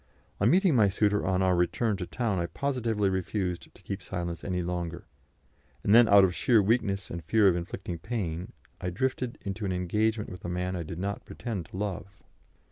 On meeting my suitor on our return to town I positively refused to keep silence any longer, and then out of sheer weakness and fear of inflicting pain I drifted into an engagement with a man I did not pretend to love.